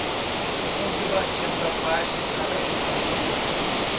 São Sebastião da Vargem Alegre